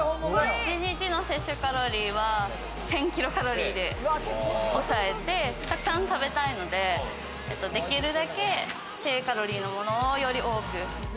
一日の摂取カロリーは１０００キロカロリーで抑えて、沢山食べたいので、できるだけ低カロリーのものを、より多く。